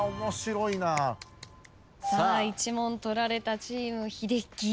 さあ１問取られたチーム英樹。